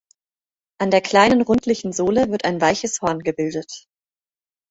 An der kleinen rundlichen Sohle wird ein weiches Horn gebildet.